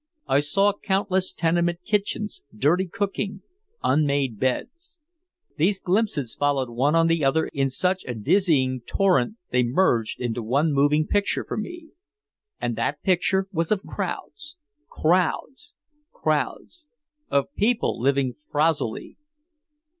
I saw countless tenement kitchens, dirty cooking, unmade beds. These glimpses followed one on the other in such a dizzying torrent they merged into one moving picture for me. And that picture was of crowds, crowds, crowds of people living frowzily.